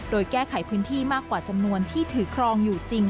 โดยแก้ไขพื้นที่มากกว่าจำนวนที่ถือครองอยู่จริง